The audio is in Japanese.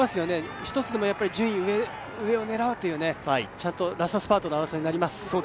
１つでも順位、上を狙おうというラストスパートの争いになります。